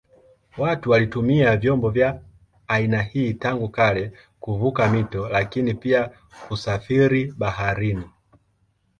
Watu walitumia vyombo vya aina hii tangu kale kuvuka mito lakini pia kusafiri baharini.